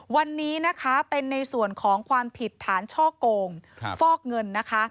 วันนี้นะคะเป็นในส่วนของความผิดฐานช่อโกงฟอกเงินนะคะ